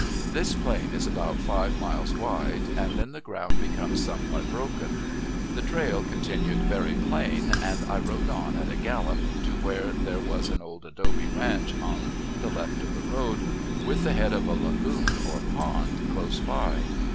This plain is about five miles wide, and then the ground becomes somewhat broken. The trail continued very plain, and I rode on at a gallop to where there was an old adobe ranch on the left of the road, with the head of a lagoon, or pond, close by.